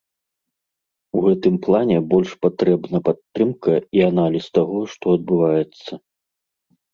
У гэтым плане больш патрэбна падтрымка і аналіз таго, што адбываецца.